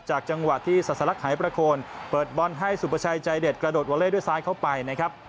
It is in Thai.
จังหวะที่ศาสลักหายประโคนเปิดบอลให้สุประชัยใจเด็ดกระโดดวอเล่ด้วยซ้ายเข้าไปนะครับ